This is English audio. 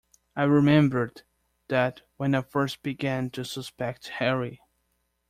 I remembered that when I first began to suspect Harry.